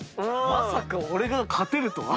まさか俺が勝てるとは。